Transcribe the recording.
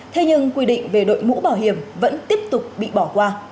thế nhưng quy định về đội mũ bảo hiểm vẫn tiếp tục bị bỏ qua